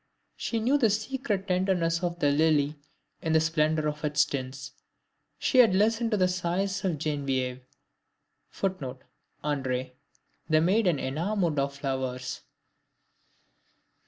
She knew the secret tenderness of the lily in the splendor of its tints; she had listened to the sighs of Genevieve, [Footnote: ANDRE] the maiden enamored of flowers.